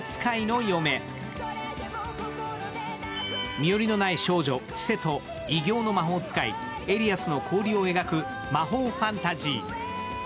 身寄りのない少女・チセと異形の魔法使い・エリアスの交流を描く魔法ファンタジー。